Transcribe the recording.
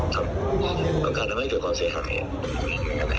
ต้องการทำให้เกิดความเสียหาย